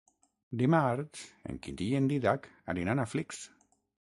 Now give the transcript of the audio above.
Dimarts en Quintí i en Dídac aniran a Flix.